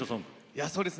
いやそうですね